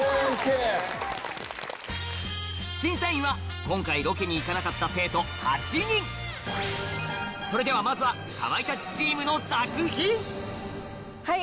審査員は今回ロケに行かなかった生徒８人それではまずはかまいたちチームの作品はい！